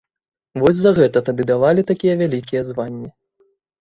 Вось за гэта тады давалі такія вялікія званні.